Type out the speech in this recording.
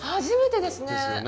初めてですね。